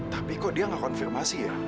tapi kok dia nggak konfirmasi ya